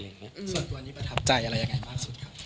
ส่วนตัวนี้ประทับใจอะไรยังไงมากสุดครับ